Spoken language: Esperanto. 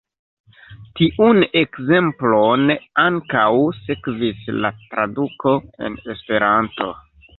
Tiun ekzemplon ankaŭ sekvis la traduko en esperanto.